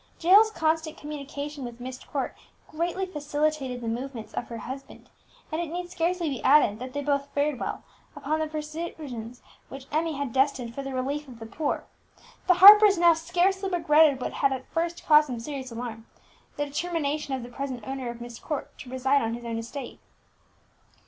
Jael's constant communication with Myst Court greatly facilitated the movements of her husband; and it need scarcely be added that they both fared well upon the provisions which Emmie had destined for the relief of the poor. The Harpers now scarcely regretted what had at first caused them serious alarm, the determination of the present owner of Myst Court to reside on his own estate.